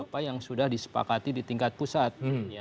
apa yang sudah disepakati di tingkat pusat